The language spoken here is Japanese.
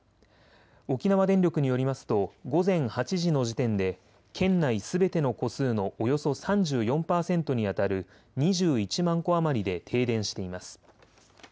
沖縄電力によりますと午前８時の時点で県内すべての戸数のおよそ３４％にあたる２１万戸余りで停電しています。